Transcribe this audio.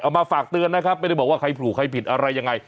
มาฝากเตือนนะครับไม่ได้บอกว่าใครผล่ใครผิดอะไรยังไง